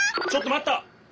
ちょっとまった！